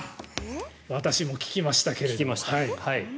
私も聞きましたけれど。